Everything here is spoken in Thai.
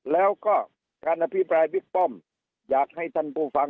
แล้วก็การอภิปรายบิ๊กป้อมอยากให้ท่านผู้ฟัง